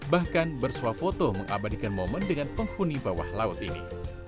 bahkan bersuah foto mengabadikan momen dengan penghuni bawah laut ini